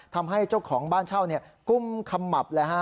ทำให้เจ้าของบ้านเช่าเนี่ยกุ้มคำหมับแหละฮะ